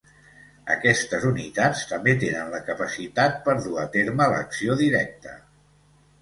Aquestes unitats també tenen la capacitat per dur a terme l'acció directa.